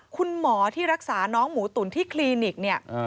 คุณหมอที่รักษาน้องหมูตุ๋นที่คลินิกเนี่ย